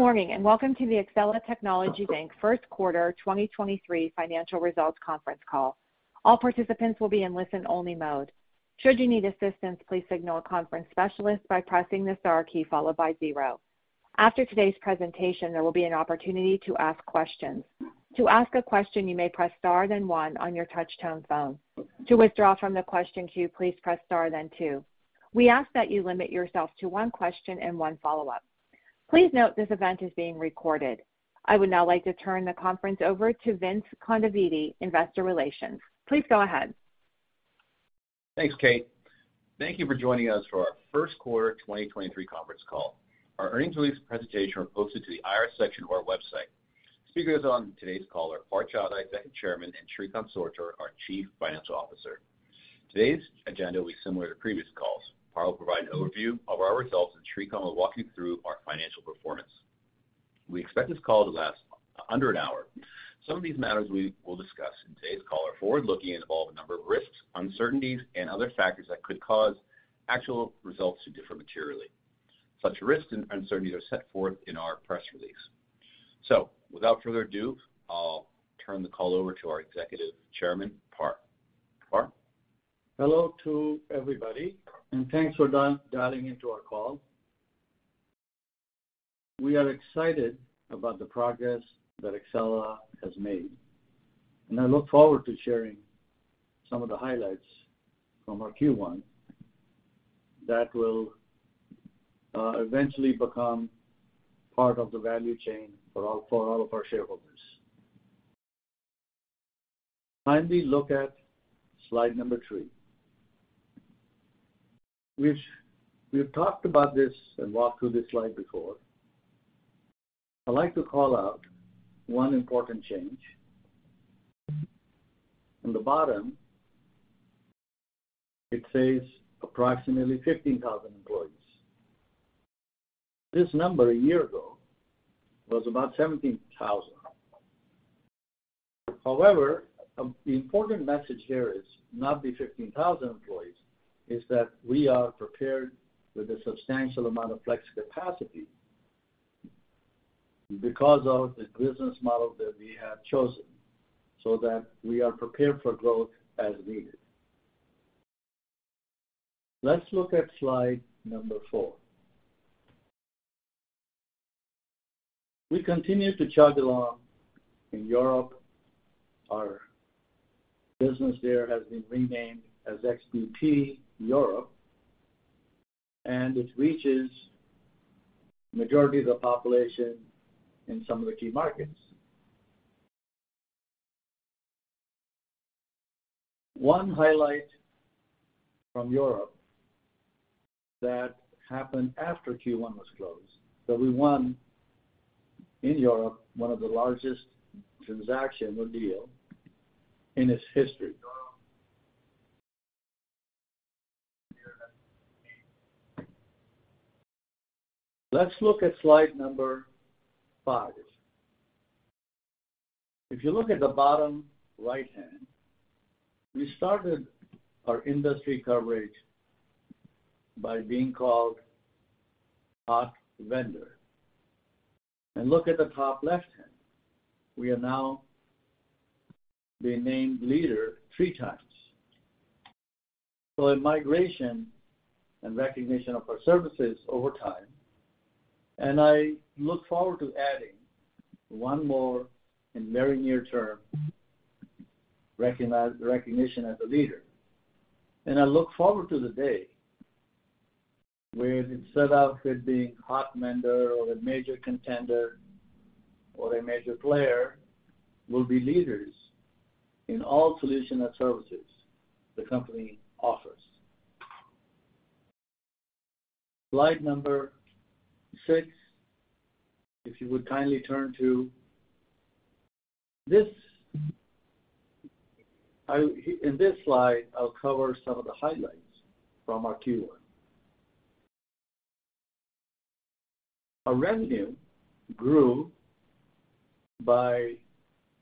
Good morning. Welcome to the Exela Technologies First Quarter 2023 Financial Results Conference Call. All participants will be in listen-only mode. Should you need assistance, please signal a conference specialist by pressing the star key followed by zero. After today's presentation, there will be an opportunity to ask questions. To ask a question, you may press star then one on your touch-tone phone. To withdraw from the question queue, please press star then two. We ask that you limit yourself to one question and one follow-up. Please note this event is being recorded. I would now like to turn the conference over to Vince Kondaveeti, Investor Relations. Please go ahead. Thanks, Kate. Thank you for joining us for our First Quarter 2023 Conference Call. Our earnings release presentation are posted to the IR section of our website. Speakers on today's call are Par Chadha, Executive Chairman, and Shrikant Sortur, our Chief Financial Officer. Today's agenda will be similar to previous calls. Par will provide an overview of our results, and Shrikant will walk you through our financial performance. We expect this call to last under an hour. Some of these matters we will discuss in today's call are forward-looking and involve a number of risks, uncertainties, and other factors that could cause actual results to differ materially. Such risks and uncertainties are set forth in our press release. Without further ado, I'll turn the call over to our Executive Chairman, Par. Par? Hello to everybody, thanks for dialing into our call. We are excited about the progress that Exela has made. I look forward to sharing some of the highlights from our Q1 that will eventually become part of the value chain for all of our shareholders. Kindly look at slide number three, which we've talked about this and walked through this slide before. I'd like to call out one important change. In the bottom, it says approximately 15,000 employees. This number a year ago was about 17,000. The important message here is not the 15,000 employees, it's that we are prepared with a substantial amount of flex capacity because of the business model that we have chosen so that we are prepared for growth as needed. Let's look at slide number 4. We continue to chug along in Europe. Our business there has been renamed as XBP Europe. It reaches majority of the population in some of the key markets. One highlight from Europe that happened after Q1 was closed, that we won in Europe one of the largest transaction or deal in its history. Let's look at slide number five. If you look at the bottom right-hand, we started our industry coverage by being called Hot Vendor. Look at the top left-hand. We are now being named leader three times. In migration and recognition of our services over time, I look forward to adding one more in very near term recognition as a leader. I look forward to the day where instead of it being Hot Vendor or a major contender or a major player, we'll be leaders in all solutions and services the company offers. Slide number six, if you would kindly turn to. In this slide, I'll cover some of the highlights from our Q1. Our revenue grew by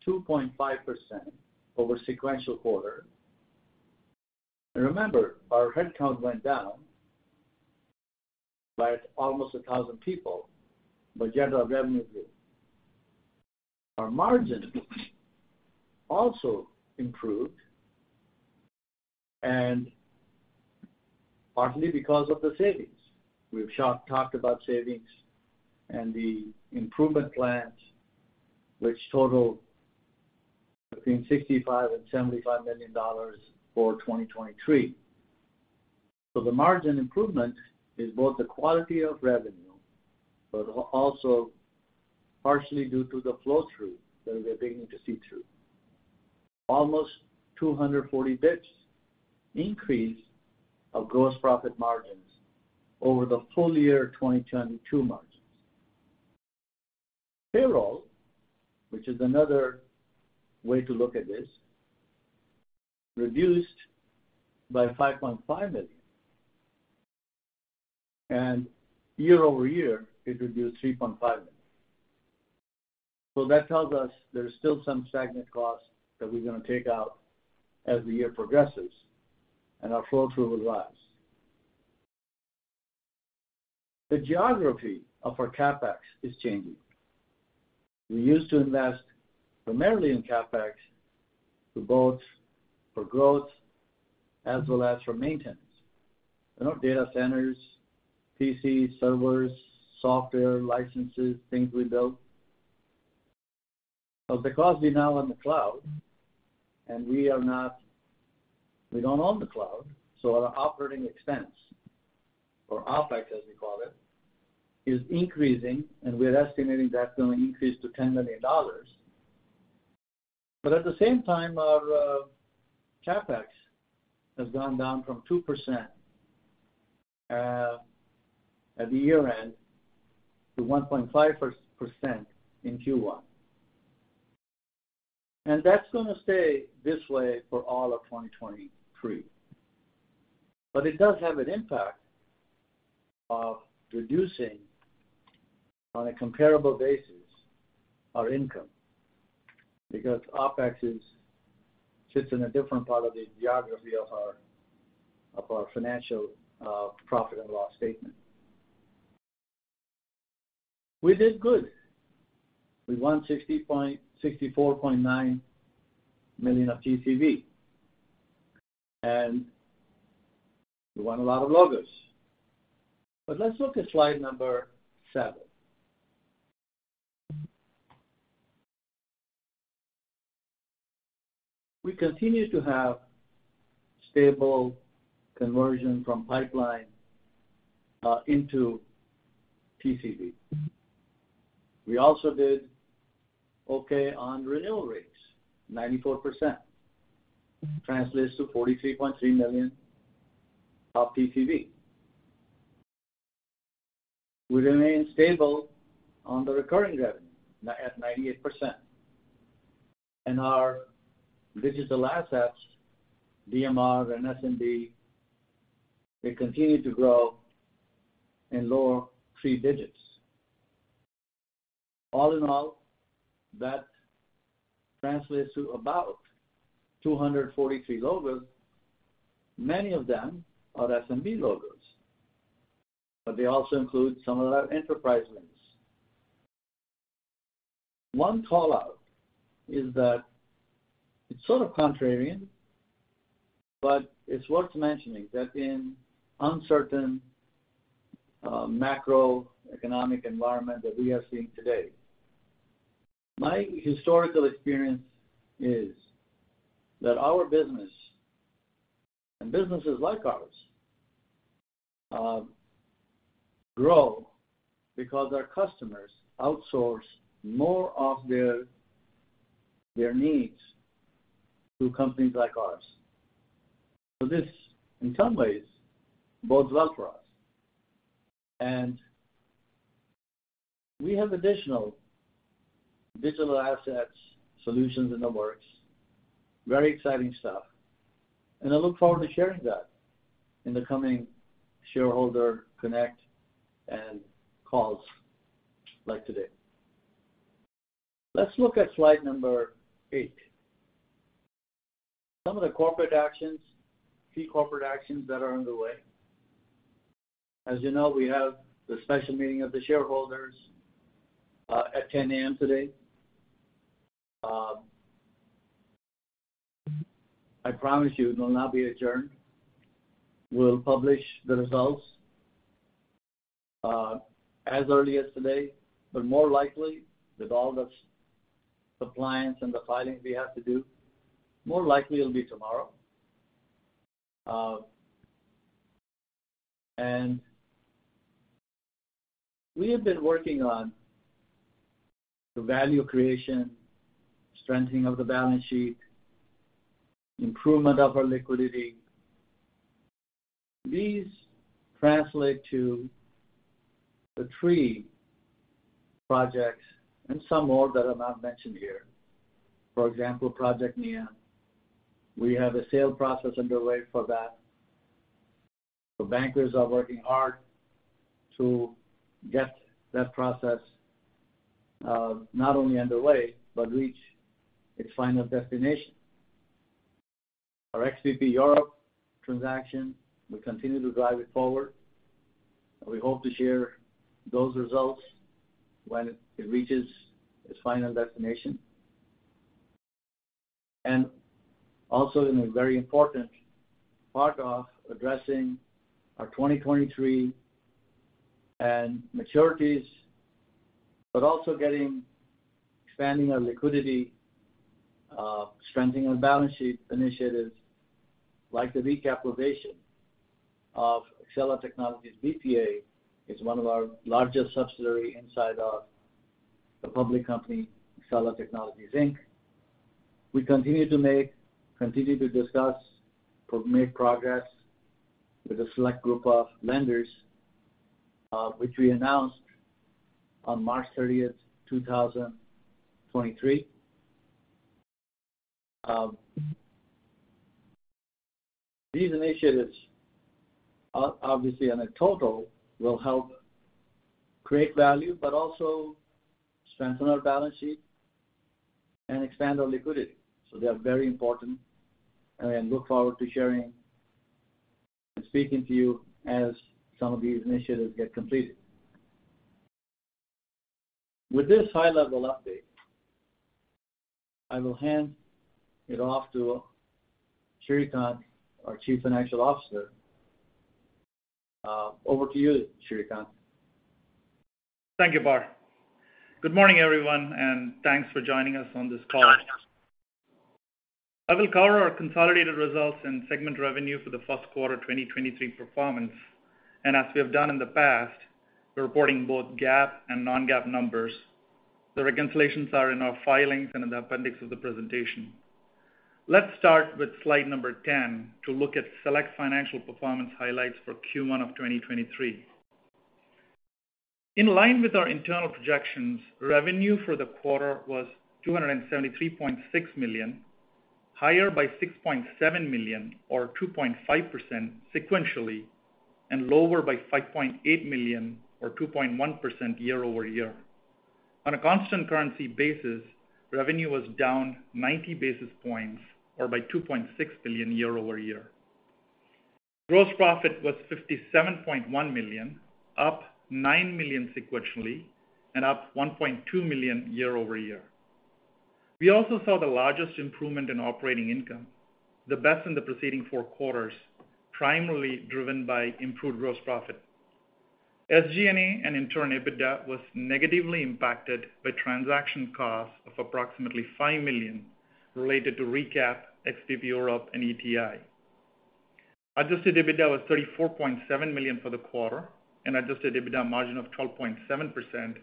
2.5% over sequential quarter. Remember, our headcount went down by almost 1,000 people, but yet our revenue grew. Our margin also improved, partly because of the savings. We've talked about savings and the improvement plans, which total between $65 million and $75 million for 2023. The margin improvement is both the quality of revenue, but also partially due to the flow-through that we're beginning to see through. Almost 240 basis points increase of gross profit margins over the full year 2022 margins. Payroll, which is another way to look at this, reduced by $5.5 million. Year over year, it reduced $3.5 million. That tells us there's still some stagnant costs that we're gonna take out as the year progresses, and our flow-through will rise. The geography of our CapEx is changing. We used to invest primarily in CapEx for both for growth as well as for maintenance. You know, data centers, PCs, servers, software, licenses, things we built. Because we're now on the cloud, and we don't own the cloud, so our operating expense, or OpEx, as we call it, is increasing, and we're estimating that's gonna increase to $10 million. At the same time, our CapEx has gone down from 2% at the year-end to 1.5% in Q1. That's gonna stay this way for all of 2023. It does have an impact of reducing, on a comparable basis, our income, because OpEx sits in a different part of the geography of our financial profit and loss statement. We did good. We won $64.9 million of TCV, and we won a lot of logos. Let's look at slide number seven. We continue to have stable conversion from pipeline into TCV. We also did okay on renewal rates, 94%. Translates to $43.3 million of TCV. We remain stable on the recurring revenue at 98%. Our digital assets, DMR and SMB, they continue to grow in low 3 digits. All in all, that translates to about 243 logos. Many of them are SMB logos, but they also include some of our enterprise wins. One call-out is that it's sort of contrarian, but it's worth mentioning that in uncertain macroeconomic environment that we are seeing today, my historical experience is that our business, and businesses like ours, grow because our customers outsource more of their needs to companies like ours. This, in some ways, bodes well for us. We have additional digital assets, solutions in the works, very exciting stuff. I look forward to sharing that in the coming shareholder connect and calls like today. Let's look at slide number eight. Some of the corporate actions, key corporate actions that are underway. As you know, we have the special meeting of the shareholders at 10:00 A.M. today. I promise you it will not be adjourned. We'll publish the results as early as today, but more likely, with all the compliance and the filings we have to do, more likely it'll be tomorrow. We have been working on the value creation, strengthening of the balance sheet, improvement of our liquidity. These translate to the three projects and some more that are not mentioned here. For example, Project Nia, we have a sale process underway for that. The bankers are working hard to get that process, not only underway, but reach its final destination. Our XBP Europe transaction, we continue to drive it forward, and we hope to share those results when it reaches its final destination. Also in a very important part of addressing our 2023 and maturities, expanding our liquidity, strengthening our balance sheet initiatives, like the recapitalization of Exela Technologies BPA, is one of our largest subsidiary inside of the public company, Exela Technologies, Inc. We continue to discuss, make progress with a select group of lenders, which we announced on March 30th, 2023. These initiatives are obviously on a total will help create value, also strengthen our balance sheet and expand our liquidity. They are very important and look forward to sharing and speaking to you as some of these initiatives get completed. With this high-level update, I will hand it off to Shrikant, our Chief Financial Officer. Over to you, Shrikant. Thank you, Par. Good morning, everyone, thanks for joining us on this call. I will cover our consolidated results in segment revenue for the first quarter 2023 performance. As we have done in the past, we're reporting both GAAP and non-GAAP numbers. The reconciliations are in our filings and in the appendix of the presentation. Let's start with slide number 10 to look at select financial performance highlights for Q1 of 2023. In line with our internal projections, revenue for the quarter was $273.6 million, higher by $6.7 million or 2.5% sequentially, and lower by $5.8 million or 2.1% year-over-year. On a constant currency basis, revenue was down 90 basis points or by $2.6 billion year-over-year. Gross profit was $57.1 million, up $9 million sequentially, and up $1.2 million year-over-year. We also saw the largest improvement in operating income, the best in the preceding four quarters, primarily driven by improved gross profit. SG&A and in turn, EBITDA was negatively impacted by transaction costs of approximately $5 million related to recap XBP Europe and ETI. Adjusted EBITDA was $34.7 million for the quarter, and adjusted EBITDA margin of 12.7%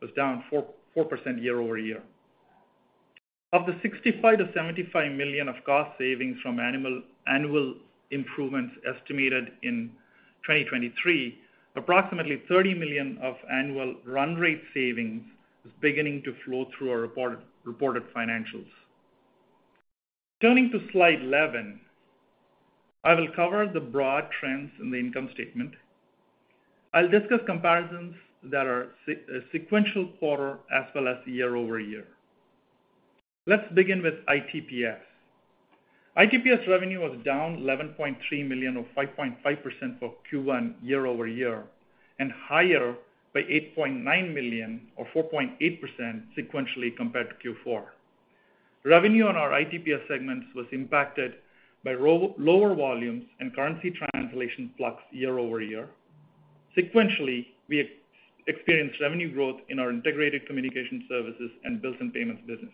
was down 4% year-over-year. Of the $65 million-$75 million of cost savings from annual improvements estimated in 2023, approximately $30 million of annual run rate savings is beginning to flow through our reported financials. Turning to slide 11, I will cover the broad trends in the income statement. I'll discuss comparisons that are sequential quarter as well as year-over-year. Let's begin with ITPS. ITPS revenue was down $11.3 million or 5.5% for Q1 year-over-year and higher by $8.9 million or 4.8% sequentially compared to Q4. Revenue on our ITPS segments was impacted by lower volumes and currency translation flux year-over-year. Sequentially, we experienced revenue growth in our Integrated Communication Services and Bills and Payments business.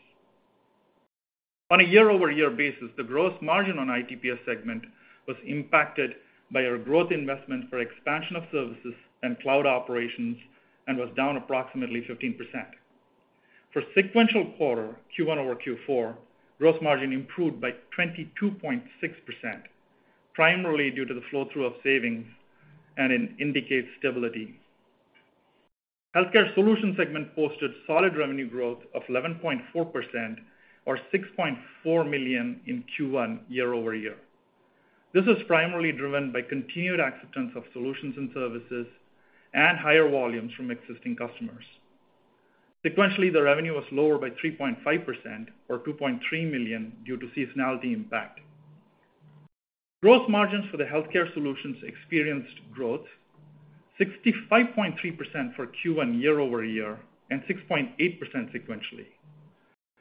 On a year-over-year basis, the gross margin on ITPS segment was impacted by our growth investment for expansion of services and cloud operations and was down approximately 15%. For sequential quarter, Q1 over Q4, gross margin improved by 22.6%, primarily due to the flow-through of savings and it indicates stability. Healthcare Solutions segment posted solid revenue growth of 11.4% or $6.4 million in Q1 year-over-year. This was primarily driven by continued acceptance of solutions and services and higher volumes from existing customers. Sequentially, the revenue was lower by 3.5% or $2.3 million due to seasonality impact. Gross margins for the Healthcare Solutions experienced growth 65.3% for Q1 year-over-year and 6.8% sequentially.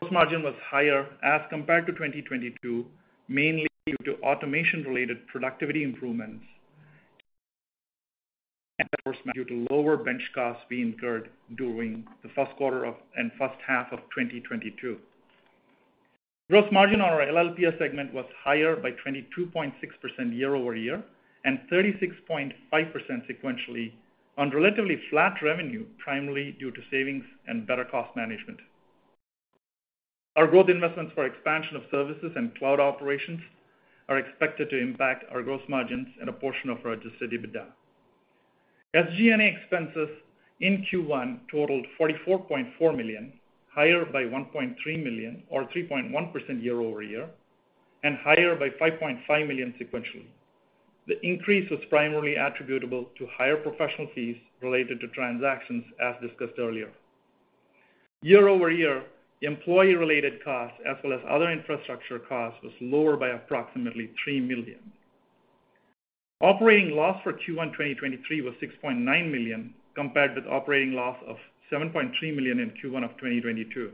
Gross margin was higher as compared to 2022, mainly due to automation-related productivity improvements and workforce due to lower bench costs we incurred during the first quarter of and first half of 2022. Gross margin on our LLPS segment was higher by 22.6% year-over-year and 36.5% sequentially on relatively flat revenue, primarily due to savings and better cost management. Our growth investments for expansion of services and cloud operations are expected to impact our gross margins and a portion of our adjusted EBITDA. SG&A expenses in Q1 totaled $44.4 million, higher by $1.3 million or 3.1% year-over-year and higher by $5.5 million sequentially. The increase was primarily attributable to higher professional fees related to transactions, as discussed earlier. Year-over-year, employee-related costs, as well as other infrastructure costs, was lower by approximately $3 million. Operating loss for Q1 2023 was $6.9 million, compared with operating loss of $7.3 million in Q1 of 2022.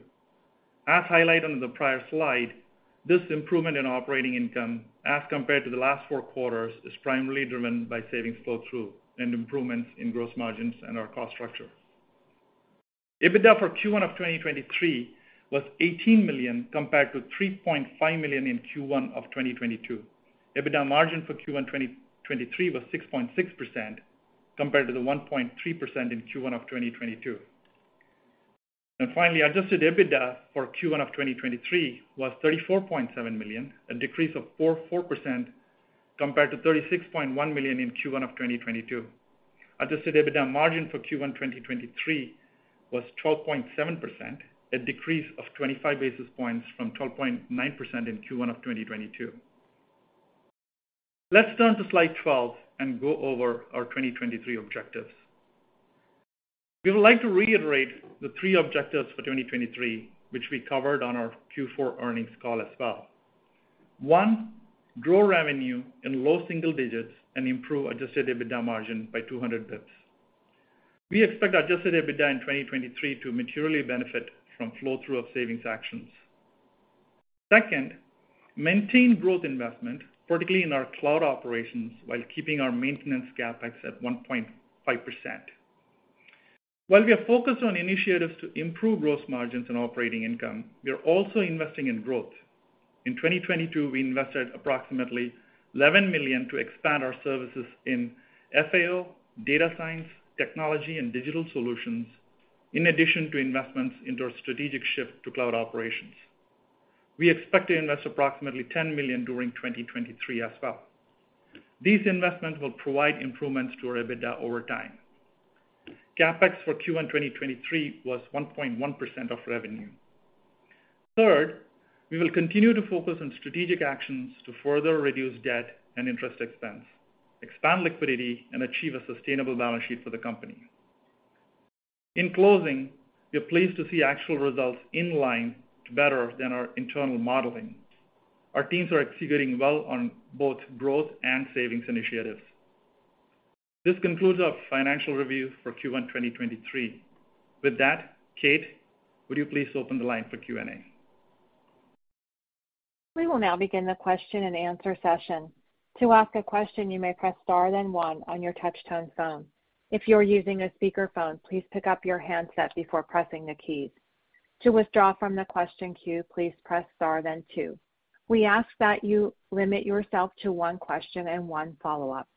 As highlighted on the prior slide, this improvement in operating income as compared to the last four quarters, is primarily driven by savings flow-through and improvements in gross margins and our cost structure. EBITDA for Q1 of 2023 was $18 million compared to $3.5 million in Q1 of 2022. EBITDA margin for Q1 2023 was 6.6% compared to the 1.3% in Q1 of 2022. Finally, adjusted EBITDA for Q1 of 2023 was $34.7 million, a decrease of 4% compared to $36.1 million in Q1 of 2022. Adjusted EBITDA margin for Q1 2023 was 12.7%, a decrease of 25 basis points from 12.9% in Q1 of 2022. Let's turn to slide 12 and go over our 2023 objectives. We would like to reiterate the three objectives for 2023, which we covered on our Q4 earnings call as well. One, grow revenue in low single digits and improve adjusted EBITDA margin by 200 basis points. We expect adjusted EBITDA in 2023 to materially benefit from flow-through of savings actions. Second, maintain growth investment, particularly in our cloud operations, while keeping our maintenance CapEx at 1.5%. While we are focused on initiatives to improve gross margins and operating income, we are also investing in growth. In 2022, we invested approximately $11 million to expand our services in FAO, data science, technology and digital solutions, in addition to investments into our strategic shift to cloud operations. We expect to invest approximately $10 million during 2023 as well. These investments will provide improvements to our EBITDA over time. CapEx for Q1 2023 was 1.1% of revenue. Third, we will continue to focus on strategic actions to further reduce debt and interest expense, expand liquidity, and achieve a sustainable balance sheet for the company. In closing, we are pleased to see actual results in line to better than our internal modeling. Our teams are executing well on both growth and savings initiatives. This concludes our financial review for Q1 2023. With that, Kate, would you please open the line for Q&A? We will now begin the question-and-answer session. To ask a question, you may press star then one on your touch-tone phone. If you are using a speakerphone, please pick up your handset before pressing the keys. To withdraw from the question queue, please press star then two. We ask that you limit yourself to one question and one follow-up.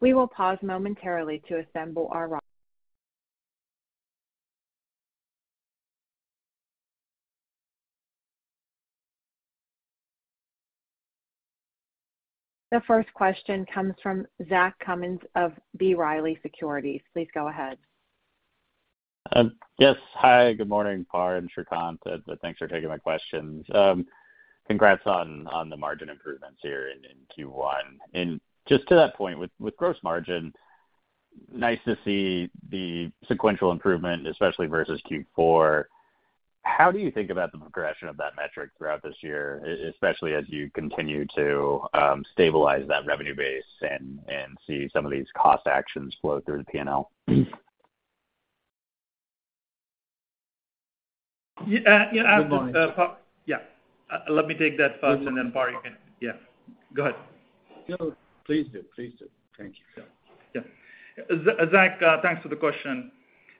We will pause momentarily to assemble our... The first question comes from Zach Cummins of B. Riley Securities. Please go ahead. Yes. Hi, good morning, Par and Shrikant, and thanks for taking my questions. Congrats on the margin improvements here in Q1. Just to that point, with gross margin, nice to see the sequential improvement, especially versus Q4. How do you think about the progression of that metric throughout this year, especially as you continue to stabilize that revenue base and see some of these cost actions flow through the P&L? Yeah, yeah. Good morning. Par... Yeah. Let me take that first, then Par, you can... Yeah. Go ahead. No, please do. Please do. Thank you, sir. Yeah. Zach, thanks for the question.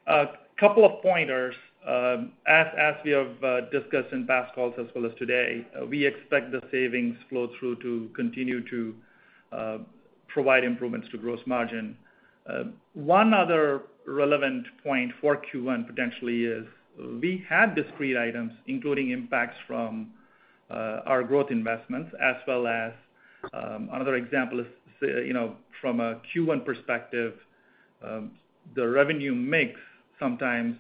A couple of pointers, as we have discussed in past calls as well as today, we expect the savings flow through to continue to provide improvements to gross margin. One other relevant point for Q1 potentially is we had discrete items, including impacts from our growth investments as well as, another example is, say, you know, from a Q1 perspective, the revenue mix sometimes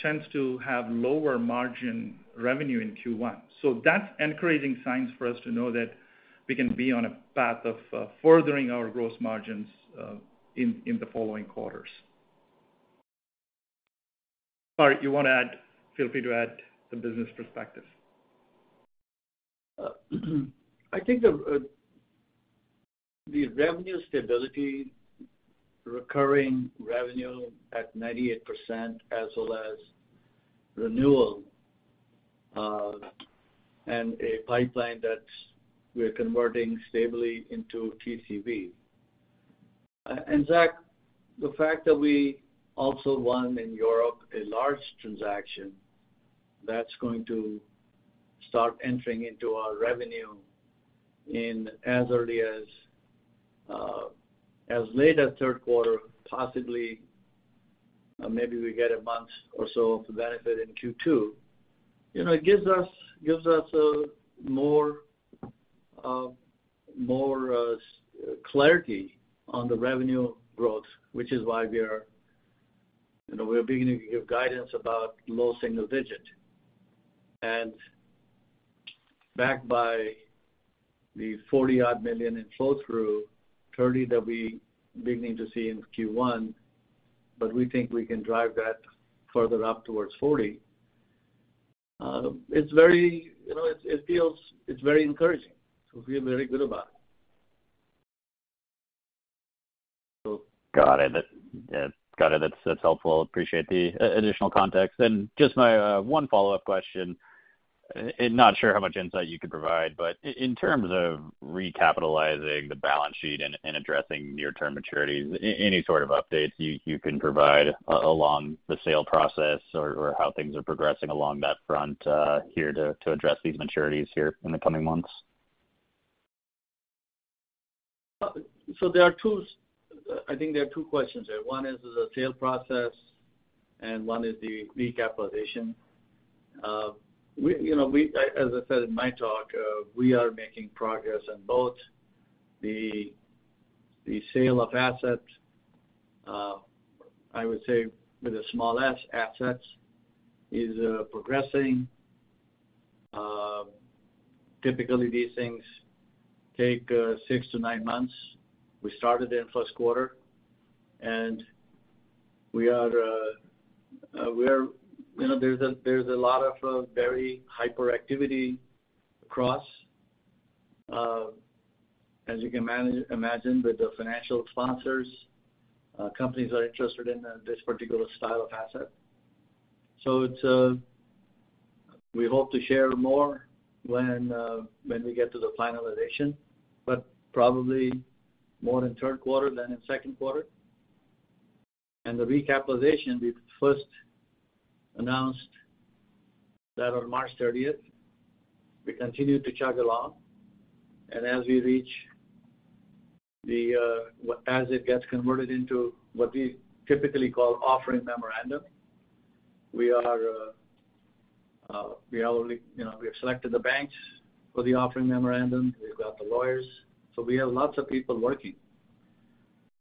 tends to have lower margin revenue in Q1. That's encouraging signs for us to know that we can be on a path of furthering our gross margins in the following quarters. Par, you wanna add, feel free to add some business perspective. I think the revenue stability, recurring revenue at 98% as well as renewal, and a pipeline that's we're converting stably into TCV. Zach, the fact that we also won in Europe a large transaction that's going to start entering into our revenue in as early as late as third quarter, possibly, maybe we get a month or so of the benefit in Q2, you know, it gives us a more, more clarity on the revenue growth, which is why we are, you know, we're beginning to give guidance about low single digit. Backed by the $40 odd million in flow-through, $30 that we beginning to see in Q1, but we think we can drive that further up towards $40, it's very, you know, it feels, it's very encouraging. We feel very good about it. Got it. That's, that's helpful. Appreciate the additional context. Just my one follow-up question, and not sure how much insight you could provide, but in terms of recapitalizing the balance sheet and addressing near-term maturities, any sort of update you can provide along the sale process or how things are progressing along that front, here to address these maturities here in the coming months? I think there are two questions there. One is the sale process and one is the recapitalization. We, you know, I, as I said in my talk, we are making progress on both the sale of assets. I would say with a small s, assets is progressing. Typically these things take six to nine months. We started in first quarter, and we are, you know, there's a, there's a lot of very hyperactivity across, as you can imagine with the financial sponsors, companies are interested in this particular style of asset. It's, we hope to share more when we get to the finalization, but probably more in third quarter than in second quarter. The recapitalization, we first announced that on March 30th. We continue to chug along. As we reach the, as it gets converted into what we typically call offering memorandum, we are, we already, you know, we have selected the banks for the offering memorandum. We've got the lawyers. We have lots of people working.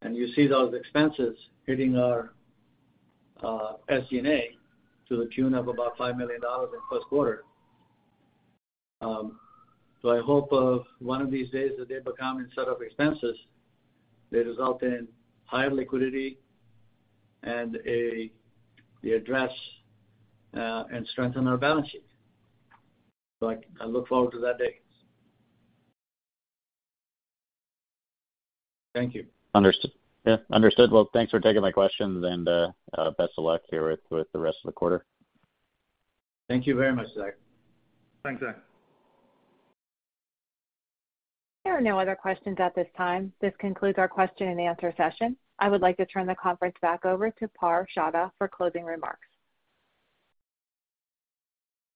You see those expenses hitting our SG&A to the tune of about $5 million in first quarter. I hope one of these days that they become instead of expenses, they result in higher liquidity and a, they address, and strengthen our balance sheet. I look forward to that day. Thank you. Understood. Yeah, understood. Well, thanks for taking my questions and, best of luck here with the rest of the quarter. Thank you very much, Zach. Thanks, Zach. There are no other questions at this time. This concludes our question and answer session. I would like to turn the conference back over to Par Chadha for closing remarks.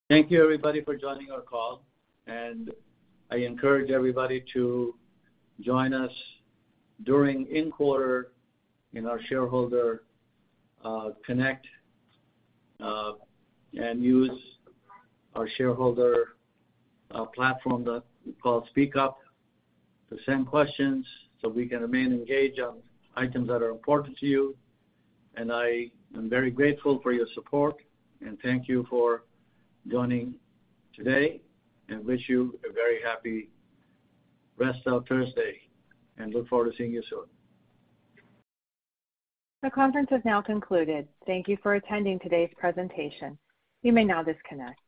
Thank you, everybody for joining our call, and I encourage everybody to join us during in quarter in our shareholder, connect, and use our shareholder, platform that we call SpeakUp to send questions so we can remain engaged on items that are important to you. I am very grateful for your support, and thank you for joining today, and wish you a very happy rest of Thursday, and look forward to seeing you soon. The conference has now concluded. Thank You for attending today's presentation. You may now disconnect.